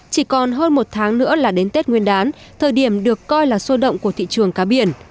chỉ còn hơn một tháng nữa là đến tết nguyên đán thời điểm được coi là sôi động của thị trường cá biển